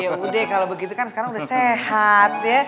yaudah kalo begitu kan sekarang udah sehat ya